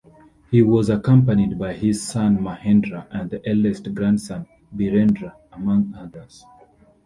He was accompanied by his son Mahendra and the eldest grandson Birendra, among others.